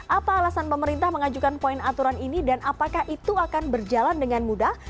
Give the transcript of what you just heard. apa alasan pemerintah mengajukan poin aturan ini dan apakah itu akan berjalan dengan mudah